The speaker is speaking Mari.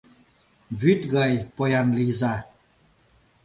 Вӱд гай поян лийза.